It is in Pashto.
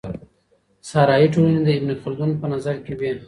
صحرايي ټولني د ابن خلدون په نظر کي وې.